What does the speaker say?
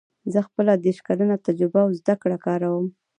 زه خپله دېرش کلنه تجربه او زده کړه کاروم